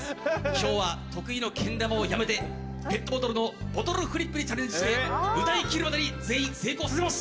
今日は得意のけん玉をやめてペットボトルのボトルフリップにチャレンジして歌い切るまでに全員成功させます。